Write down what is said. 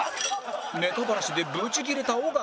ネタバラシでブチギレた尾形